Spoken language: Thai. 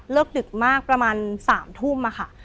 ดึกมากประมาณ๓ทุ่มค่ะ